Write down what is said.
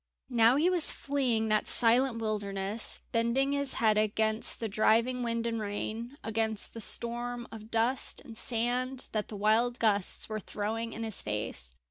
Now he was fleeing that silent wilderness, bending his head against the driving wind and rain, against the storm of dust and sand that the wild gusts were throwing in his face.